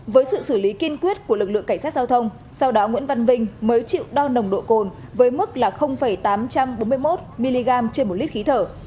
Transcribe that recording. với sự xử lý kiên quyết của lực lượng cảnh sát giao thông sau đó nguyễn văn vinh mới chịu đo nồng độ cồn với mức là tám trăm bốn mươi một mg trên một lít khí thở